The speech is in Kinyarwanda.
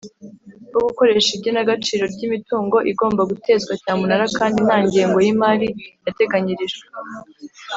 Bwo gukoresha igenagaciro ry imitungo igomba gutezwa cyamunara kandi nta ngengo y imari yateganyirijwe